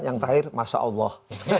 yang terakhir masya allah